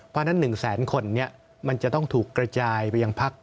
เพราะฉะนั้น๑แสนคนมันจะต้องถูกกระจายไปยังพัก